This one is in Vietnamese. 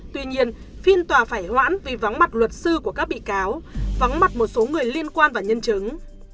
tuy nhiên phiên tòa phải hoãn vì vắng mặt luật sư của các bị cáo vắng mặt một số người liên quan và nhân chứng